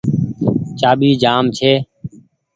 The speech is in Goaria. چآٻي جآم ڇي۔